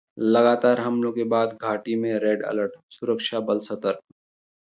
लगातार हमलों के बाद घाटी में रेड अलर्ट, सुरक्षा बल सतर्क